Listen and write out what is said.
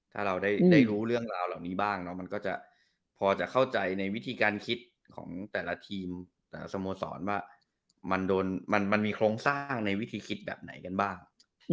ถ้าเราได้รู้เรื่องราวเหล่านี้บ้างมันก็จะพอจะเข้าใจในวิธีการคิดของแต่ละทีมแต่ละสโมสรว่ามันมีโครงสร้างในวิธีคิดแบบไหนกันบ้าง